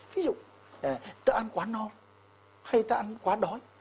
ví dụ ta ăn quá no hay ta ăn quá đói